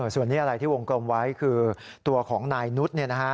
ส่วนนี้อะไรที่วงกลมไว้คือตัวของนายนุษย์